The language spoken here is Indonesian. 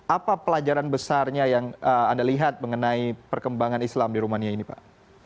apa pelajaran besarnya yang anda lihat mengenai perkembangan islam di rumania ini pak